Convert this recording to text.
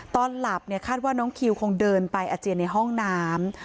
ตอนหลับเนี่ยคาดว่าน้องคิวคงเดินไปอาเจียนในห้องน้ำ